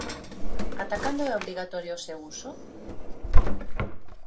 Ata cando é obrigatorio o seu uso?